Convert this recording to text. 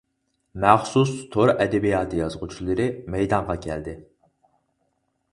مەخسۇس تور ئەدەبىياتى يازغۇچىلىرى مەيدانغا كەلدى.